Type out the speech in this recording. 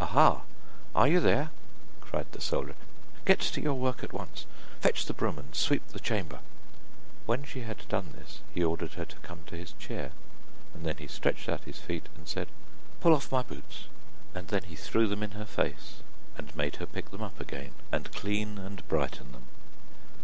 'Aha! are you there?' cried the soldier, 'get to your work at once! Fetch the broom and sweep the chamber.' When she had done this, he ordered her to come to his chair, and then he stretched out his feet and said: 'Pull off my boots,' and then he threw them in her face, and made her pick them up again, and clean and brighten them.